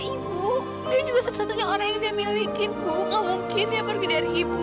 ibu dia juga satu satunya orang yang dia milikin bu nggak mungkin ya pergi dari ibu